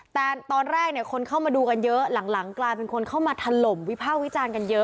แต่ตอนแรกเนี่ยคนเข้ามาดูกันเยอะหลังกลายเป็นคนเข้ามาถล่มวิภาควิจารณ์กันเยอะ